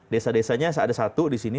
desa desanya ada satu di sini